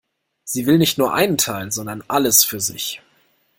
Sie will nicht nur einen Teil, sondern alles für sich.